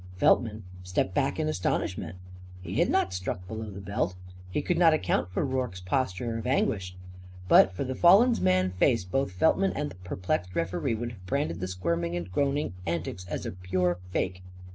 Feltman stepped back in astonishment. He had not struck below the belt. He could not account for Rorke's posture of anguish. But for the fallen man's face both Feltman and the perplexed referee would have branded the squirming and groaning antics as a pure fake.